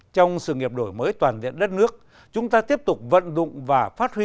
trong sự nghiệp đổi mới toàn diện đất nước chúng ta tiếp tục vận dụng và phát huy